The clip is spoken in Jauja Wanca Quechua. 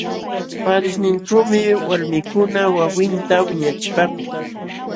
Paarishninćhuumi walmikuna wawinta wiñachipaakun.